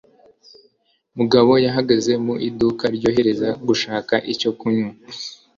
Mugabo yahagaze mu iduka ryorohereza gushaka icyo kunywa.